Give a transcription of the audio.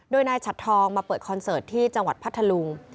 โดยนายฉัดทองมาเปิดคอนเสิร์ตที่จังหวัดพัทธลุง